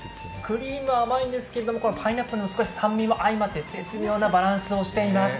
クリームが甘いんですけどパイナップルの酸味が合わさって絶妙なバランスをしています。